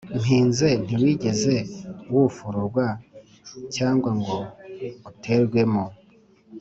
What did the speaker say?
mpinze ntiwigeze wufururwa cyangwa ngo uterwemo